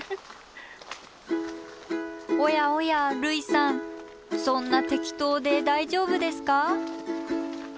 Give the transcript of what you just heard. おやおや類さんそんな適当で大丈夫ですか？